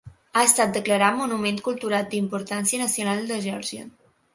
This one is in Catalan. Ha estat declarat monument cultural d'importància nacional de Geòrgia.